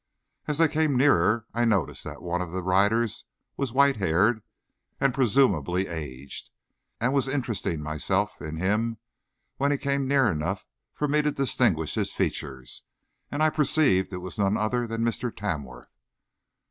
As they came nearer, I noticed that one of the riders was white haired and presumably aged, and was interesting myself in him, when he came near enough for me to distinguish his features, and I perceived it was no other than Mr. Tamworth.